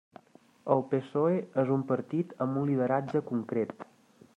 El PSOE és un partit amb un lideratge concret.